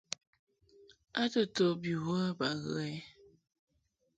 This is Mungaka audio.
A to to bi wə ba ghə ɛ?